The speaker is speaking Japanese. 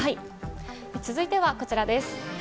続いてはこちらです。